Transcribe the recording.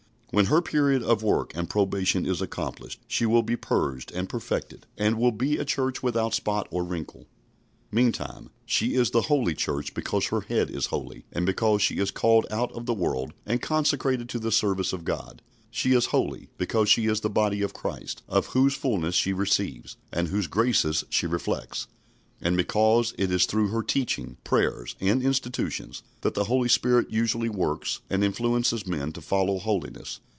When her period of work and probation is accomplished she will be purged and perfected, and will be a church without spot or wrinkle. Meantime she is the Holy Church because her Head is holy, and because she is called out of the world and consecrated to the service of God. She is holy because she is the body of Christ, of whose fulness she receives, and whose graces she reflects, and because it is through her teaching, prayers, and institutions that the Holy Spirit usually works and influences men to follow holiness.